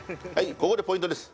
ここでポイントです。